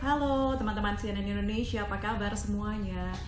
halo teman teman cnn indonesia apa kabar semuanya